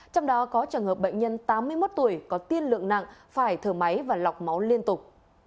trong đó có trường hợp bệnh nhân tám mươi một tuổi có tiên lượng nặng phải thở máy và lọc máu liên tục